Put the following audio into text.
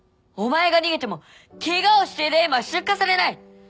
お前が逃げてもケガをしているエマは出荷されない。